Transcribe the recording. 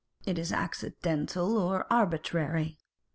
It is accidental or arbitrary.